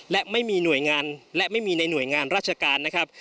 และไม่มีหน่วยงานและไม่มีในหน่วยงานราชการนะครับ